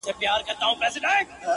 پاچهي به هيچا نه كړل په كلونو،